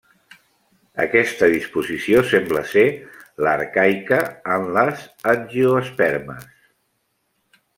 Aquesta disposició sembla ser l'arcaica en les angiospermes.